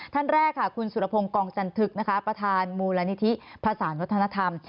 ท่านแรกค่ะคุณสุรพงศ์กองจันทึกนะคะประธานมูลนิธิภาษาวัฒนธรรม